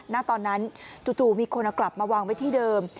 ณตอนนั้นจู่มีคนเอากลับมาวางไว้ที่เดิม